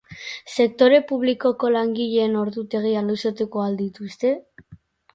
Sektore publikoko langileen ordutegiak luzatuko al dituzte?